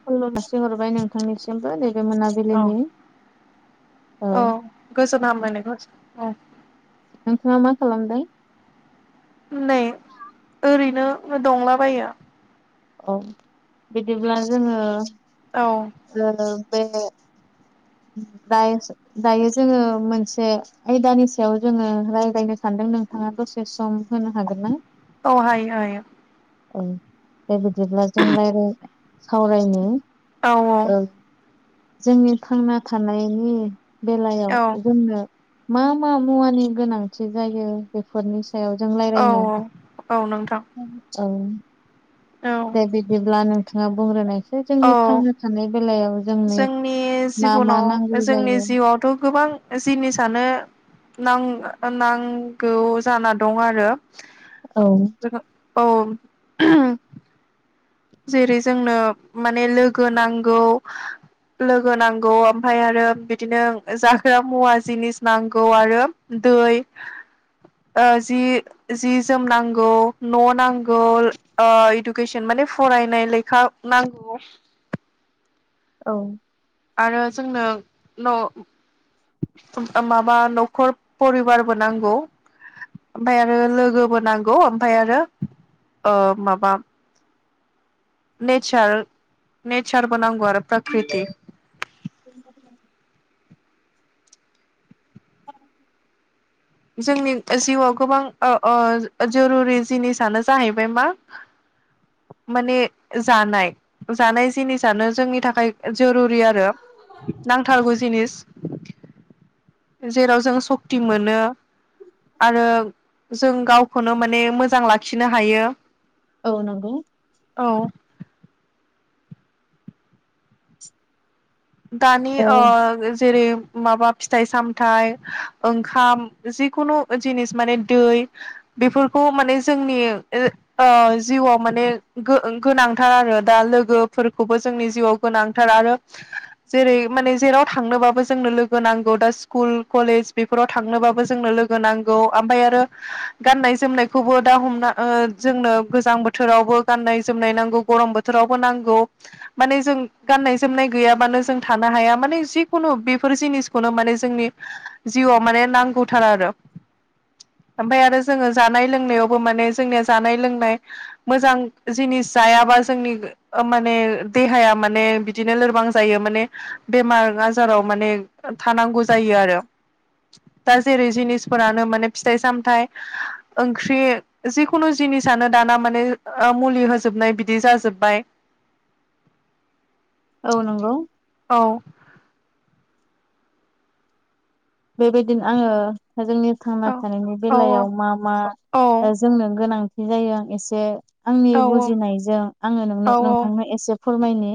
खुलुमनाय जासि हरबाय नोंथांनिसिमबो नैबे मोना औ औ गोजोन हामलायनायखौ औ नोंथाङा मा खालामदों? नै ओरैनो दंलाबायो। औ बिदिब्ला जोङो औ बे दायो दायो जोङो मोनसे आयदानि सायाव जोङो रायज्लायनो सानदों नोंथाङा दसे सम होनो हागोन ना? औ हायो हायो। औ बेे बिदिब्ला जों राय्लाय सावरायनो ओ औ जोंनि थांना थानायनि बेलायाव औ जोंनो मा मा मुवानि गोनांथि जायो बेफोरनि सायाव जों औ रायलायनो औ नोंथां औ औ दे बिदिब्ला नोंथाङा बुंग्रोनाय औ जोंनि थांना थानाय बेलायाव जोंनो जोंनि मा मा नांगौ जायो थ' गोबां जिनिसानो नां नांगौ जाना दं आरो। औ औ जेरै जोंनो माने लोगो नांगौ। लोगो नांगौ ओमफ्राय आरो बिदिनो जाग्रा मुवा जिनिस नांगौ आरो दै [inaudible] ओ जि जि जोम नांगौ न' नांगौ इडुकेसन माने फरायनाय लेखा नांगौ औ आरो जोंनो न' माबा न'खर परिबारबो नांगौ ओमफफ्राय आरो लोगोबो नांगौ ओमफफ्राय आरो माबा नेचार नेचारबो नांगौ आरो प्रकृति बे [inaudible] जोंनि जिउआव गोबां जरुरि जिनिसानो जाहैबाय मा माने जानाय जानाय जिनिसानो जोंनि थाखाय जुरुरि आरो नांथारगौ जिनिस जेराव जों सक्ति मोनो आरो जों गावखौनो माने मोजां लाखिनो हायो औ नंगौ औ दानि औ आ जेरै माबा फिथाइ सामथाइ ओंखाम जिखुनु जिनिस माने दै बेफोरखौ माने जोंनि जिउआव माने गोनांथार आरो दा लोगोफोरखौबो जोंनि जिउआव गोनांथार आरो [inaudible] जेरै माने जेराव थांनोबाबो जोंनो लोगो नांगौ दा स्कुल कलेज बेफोराव थांनोबाबो जोंनो लोगो होनांगौ ओमफ्राय आरो गाननाय जोमनायखौबो दा हमना जोंनो गोजां बोथोरावबो गाननाय जोमनाय नांगौ गरम बोथोर बोथोरावबो नांगौ माने जों गाननाय जोमनाय गैयाबानो जों थानो हाया माने जिखुनु बेफोर जिनिसखौनो माने जोंनि जिउआव माने नांगौथारा आरो ओमफ्राय आरो जोंङो जानाय लोंनायावबो माने जोंनिया जानाय लोंनाय मोजां जिनिस जायाबा जोंनि माने देहाया माने बिदिनो लोरबां जायो माने बेमार आजाराव माने थानांगौ जायो आरो दा जेरै जिनिसफोरानो माने फिथाइ सामथाइ ओंख्रि जिखुनु जिनिसानो दाना माने मुलि होजोबनाय बिदि जाजोब्बाय औ नंगौ औ बेबायदिनो आंङो जोंनि थांना औ थानायनि औ बेलायाव मा मा जोंनो गोनांथि जायो एसे आंनि औ बुजिनायजों आंङो नों नोंथांनो एसे फोरमायनो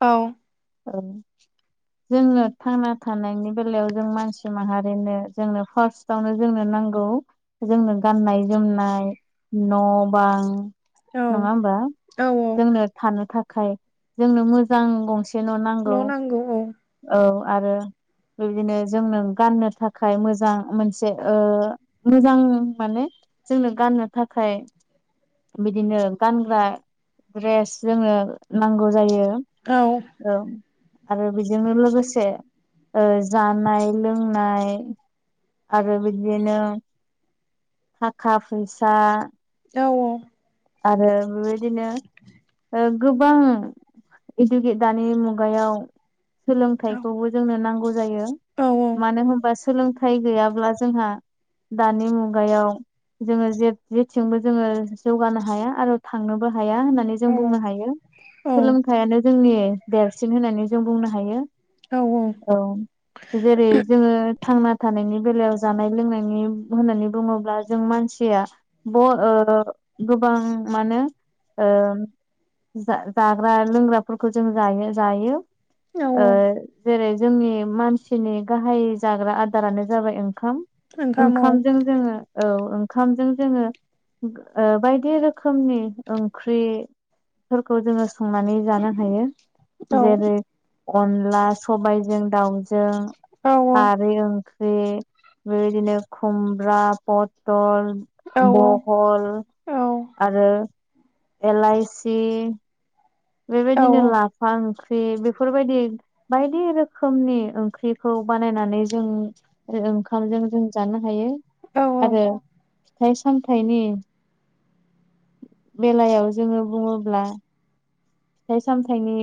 औ औ जोंनो थांना थानायनि बेलायाव जों मानसि माहारिनो जोंनो फार्स्टावनो जोंनो नांगौ जोंनो गाननाय जोमनाय न' बां औ नंङा होमबा औ औ जोंनो थानो थाखाय जोंनो मोजां गंसे न' नांगौ। औ आरो बिदिनो जोंनो गाननो थाखाय मोजां मोनसे मोजां माने जोंनो गाननो थाखाय बिदिनो गानग्रा द्रेस जोंङो नांगौ जायो। औ औ आरो बेजोंनो लोगोसे जानाय लोंनाय आरो बिदिनो थाखा फैसा औ औ आरो बेबायदिनो गोबां इडुकेट दानि मुगायाव सोलोंथाइखौबो जोंनो नांगौ जायो औ मानो होनबा सोलोंथाइ गैयाब्ला जोंहा दानि मुगायाव जोंङो जे जेथिंबो जोंङो जौगानाय हाया आरो थांनोबो हाया होननानै जों बुंनो हायो सोलोंथाइानो जोंनि देरसिन होननानै जों बुंनो हायो। औ औ औ जेरै जोंङो थांना थानायनि बेलायाव जानाय लोंनायनि होननानै बुंङोब्ला जों मानसिया ब ओ गोबां मानो ओ जाग्रा लोंग्राफोरखौ जों जायो जायो ओ जेरै जोंनि मानसिनि गाहाय जाग्रा आदारानो जाबाय ओंखाम ओंखाम जों जोंङो औ ओंखामजों जोंङो बाय बायदि रोखोमनि ओंख्रिफोरखौ जोंङो संनानै जानो हायो औ जेरै अनला सबायजों दाउ औ खारै ओंख्रि बे बेबायदिनो खुमब्रा पथल औ बहल औ आरो एलाइसि बेबायदिनो लाफा ओंख्रि बेफोरबायदि बायदि रोखोमनि ओंख्रिखौ बानायनानै जों आरो ओंखामजों जों जानो हायो आरो फिथाइ सामथाइनि बेलायाव जोङो बुङोब्ला फिथाइ सामथाइनि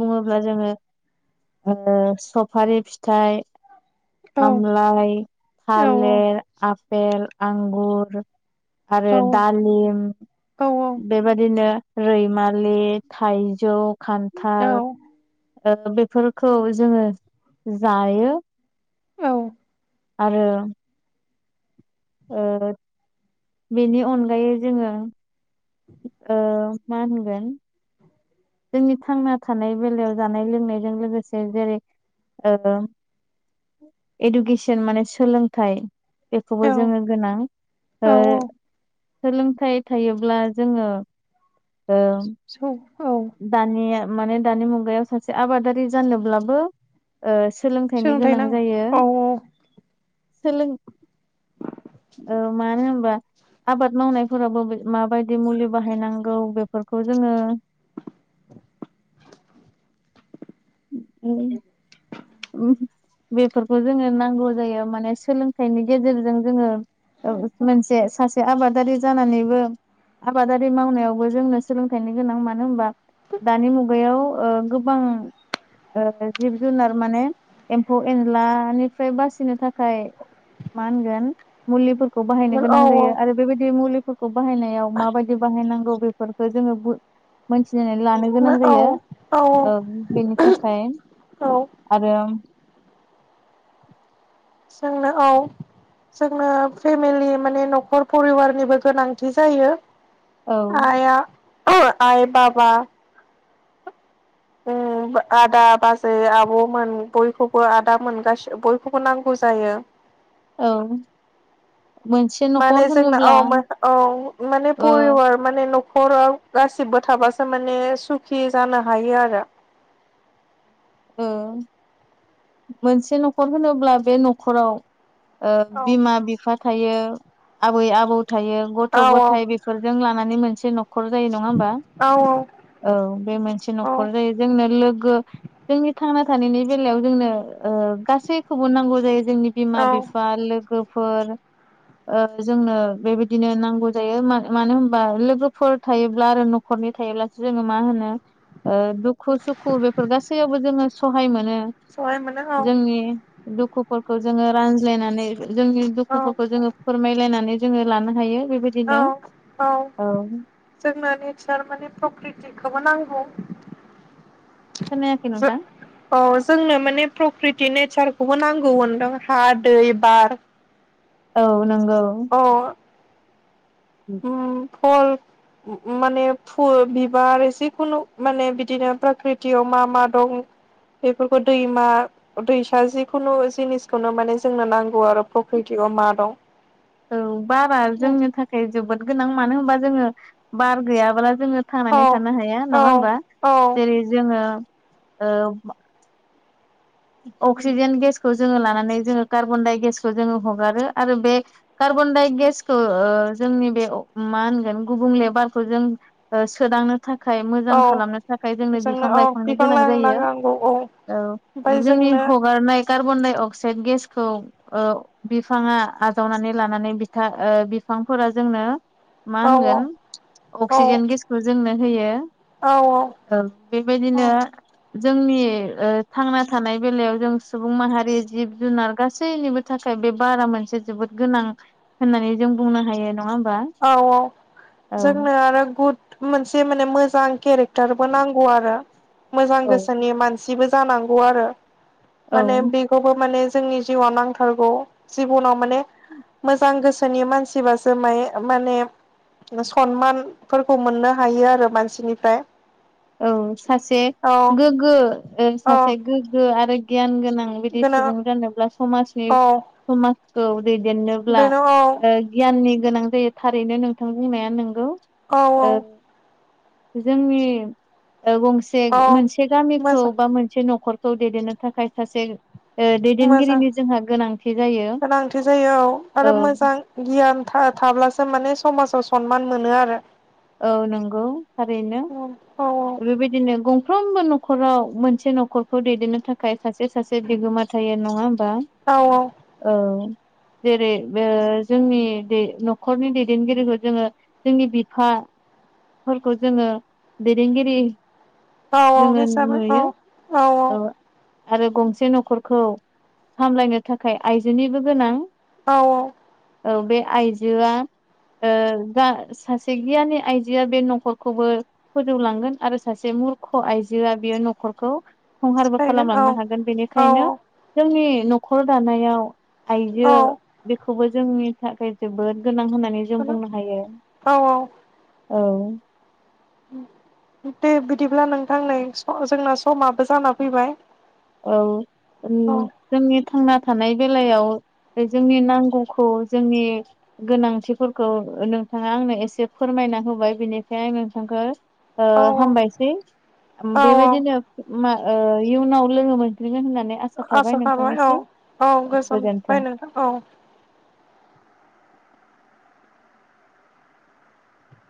बुङोब्ला जोङो सफारि फिथाय आमलाइ थालिर आपेल आंगुर आरो औ दालिम बेबादिनो रैमालि थाइजौ खान्थाल बेफोरखौ जोङो जायो औ आरो ओ बेनि अनगायै जोङो ओ मा होनगोन जोंनि थांना थानाय बेलायाव जानाय लोंनायजों लोगोसे जेरै इडुकेसन माने सोलोंथाइ बेखौबो जोङो गोनां सोलोंथाइ थायोब्ला जोङो औ औ औ दानिया माने दानि मुगायाव सासे आबादारि जानोब्लाबो ओ सोलोंथाइनि सोलोंथाइ गोनां जायो नांगौ औ सोलों ओ मानो होनबा आबाद मावनायफोरावबो माबायदि मुलि बाहायनांगौ बेफोरखौ जोङो उ ओम बेफोरखौ जोङो नांगौ जायो माने सोलोंथाइनि गेजेरजों जोङो मोनसे सासे आबादारि जानानैबो आबादारि मावनायावबो जोंनो सोलोंथाइनि गोनां मानो होमबा दानि मुगायाव ओ गोबां जिब जुनार माने एम्फौ एनलानिफ्राय बासिनो थाखाय मा होनगोन मुलिफोरखौ बाहायनो औ गोनां औ जायो आरो बेबायदि मुलिफोरखौ बाहायनायाव माबायदि बाहायनांगौ बेफोर खौ जोङो मोनथिनानै लानो औ गोनां औ जायो ओ बेनि थाखाय औ आरो जोंनो औ जोंनो फेमिलि माने न'खर फरिबारनिबो गोनांथि जायो औ आया आइ बाबा [inaudible] उम आदा बाजै आब'मोन बयखौबो आदा मोन गासिबो बयखौबो नांगौ जायो औ मोनसे माने न'खर जोंना होनोब्ला औ औ माने ओ परिबार माने न'खराव गासिबो थाबासो माने सुखि जानो हायो आरो मोनसे न'खर होनोब्ला बे न'खराव ओ बिमा बिफा थायो आबै आबौ थायो गथ' औ गथाय बे फोरजों लानानै मोनसे न'खर न'खर जायो नङा होमबा औ औ बे मोनसे औ न'खर जायो जोंनो लोगो जोंनि थांना थानायनि बेलायाव जोंनो गासैखौबो नांगौ जायो जोंनि बिमा औ बिफा लोगोफोर जोंनो बेबायदिनो नांगौ जायो मानो होमबा लोगोफोर थायोब्ला आरो नख न'खरनि थायोब्लासो जोङो मा होनो दुख खु सुखु बेफोर गासैयावबो जोङो सहाय मोनो सहाय मोनो औ जों नि दुखुफोरखौ जोङो रानज्लायनानै जोंनि औ दुखुफोरखौ जोङो फोरमायलायनानै जोङो लानो हायो बेबायदि औ औ। जोंनो नेतस्सार माने प्रकृतिखौबो नांगौ खोनायाखै नोंथां औ जोंनो माने प्रकृति नेतस्सारखौबो नांगौ होनदां हा दै बार औ नंगौ। अ [inaudible] [unintelligible] माने फुल बिबार जिखुनु माने बिदिनो पाकृतियाव मा मा दं बेफोरखौ दैमा दैसा जिखुनु जिनिसखौनो माने जोंनो नांगौ आरो फकृतिआव मा दं। औ बारा जोंनि थाखाय जोबोद गोनां मानो होनबा जोङो बार गैयाब्ला जोङो। थांनानै औ थानो हाया औ नङा होमबा औ जेरै जोङो। अक्सिजेन गेसखौ जोङो लानानै जोङो कार्बन दाइगेसखौ जोङो हगारो आरो बे कार्बन दाइ अक्ससखौ जोंनि बे मा होनगोन गुबुं लेबारखौ जों सोदांनो थाखाय मोजां औ खालामनो थाखाय जोंनो बिफां औ लाइफांनि बिफां गोनां लाइफां जायो नांगौ औ औ। ओमफ्राय जोंनि जोंनो हगारनाय कार्बन डाइ अक्साइद गेसखौ। औ बिफाङा आजावनानै लानानै बिथा ओ बिफांफोरा जोंनो। मा औ औ होनगोन औ अक्सिजेन गेसखौ जोंनो होयो। औ ओव औ बेबायदिनो जोंनि थांना थानाय बेलायाव जों सुबुं माहारि जिब जुनार गासैनिबो थाखाय बे बारा मोनसे जोबोद गोनां। होननानै जों बुंनो हायो नङा होमबा। औ औ औ जोंनो आरो गुद मोनसे माने मोजां केरेक फटारबो नांगौ आरो मोजां गोसोनि मानसिबो जानांगौ आरो। औ माने बेखौबो माने जोंनि जिउआव नांथारगौ जिबनाव माने। मोजां गोसोनि मानसिबासो माइ माने सनमानफोरखौ मोननो हायो आरो मानसिनिफ्राय औ सासे औ गोग्गो औ सासे गोग्गो आरो गियान गोनां बिदि गोनो सुबुं जानोब्ला समाजनि औ समाजखौ दैदेननोब्ला। बिदिनो औ गियाननि गोनां जायो थारैनो नोंथां बुंनाया नोंगौ। औ औ जोंनि गंसे औ मोनसे गामिखौ मोजां बा मोनसे न'खर खौ दैदेननो थाखाय सासे मोजां दैदेनगिरिनि जोंहा गोनांथि जायो गोनांथि जायो औ औ आरो मोजां गियान थाब्लासो माने समाजाव सनमान मोनो आरो। औ नंगौ थारैनो औ बेबायदिनो गंफ्रामबोख न'खराव मोनसे न'खरखौ दैदेननो थाखाय सासे सासे बिगोमा थायो नङा होमबा। औ औ। औ। जेरै जोंनि न'खरनि दैदेनगिरिखौ जोङो जोंनि। फोरखौ जोङो दैदेनगिरि औ औ जोङो हिसाबै औ नुयो। औ आरो गंसे न'खरखौ सामलायनो थाखाय आइजोनिबो गोनां। औ औ। औ बे आइजोआ सासे सिगियानि आइजोआ बे न'खरखौबो फोजौलांगोन आरो सासे मुरख' आइजोआ बियो न'खरखौ संहारबो सिफायगोन औ खालामलांनो हागोन औ बेनिखायनो जोंनि न'खर दानायाव आइजो औ बेखौबो जोंनि थाखाय जोबोद गोनां होननानै जों बुंनो हायो औ औ औ दे बिदिब्ला नोंथां नै जोंना समाबो जाना फैबाय औ औ जोंनि थांना थानाय बेलायाव जोंनि नांगौखौ जोंनि गोनांथिफोरखौ नोंथाङा आंनो एसे फोरमायना होबाय बिनिखाय आं नोंथांखौ औ हामबायसै औ औ बेबायदिनो इयुनाव लोगो मोनफिनगोन होननानै आसा थाबाय नोंथांनिसिम औ गोजोनबाय गोजोन्थों नोंथां औ